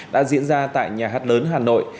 đã diễn ra tại nhà hát lớn hà nội